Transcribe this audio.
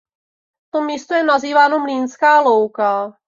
To místo je nazýváno „Mlýnská louka“.